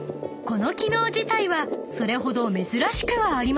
［この機能自体はそれほど珍しくはありませんが］